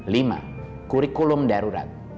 lima kurikulum darurat